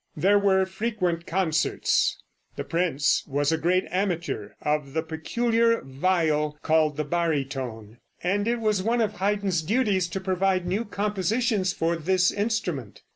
There were frequent concerts. The prince was a great amateur of the peculiar viol called the barytone, and it was one of Haydn's duties to provide new compositions for this instrument.